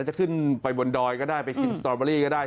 จะขึ้นไปบนดอยก็ได้ไปกินสตอเบอรี่ก็ได้